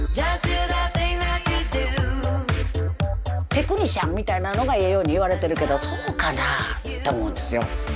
テクニシャンみたいなのがええように言われてるけどそうかなあと思うんですよ。